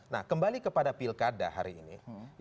nah kembali kepada pilkada hari ini